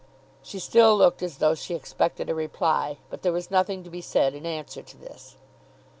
She still looked as though she expected a reply, but there was nothing to be said in answer to this.